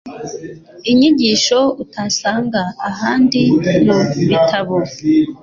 inyigisho utasanga ahandi mu bitabo